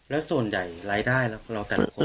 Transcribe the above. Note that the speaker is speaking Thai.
แล้วส่วนใหญ่รายได้ล่ะ